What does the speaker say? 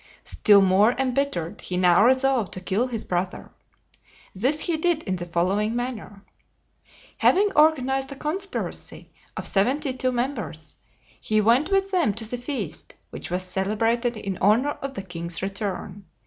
Still more embittered, he now resolved to kill his brother. This he did in the following manner: Having organized a conspiracy of seventy two members, he went with them to the feast which was celebrated in honor of the king's return.